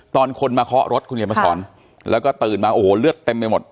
ตอนคนมาเคาะรถคุณเขียนมาสอนแล้วก็ตื่นมาโอ้โหเลือดเต็มไปหมด